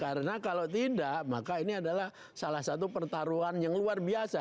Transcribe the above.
karena kalau tidak maka ini adalah salah satu pertaruhan yang luar biasa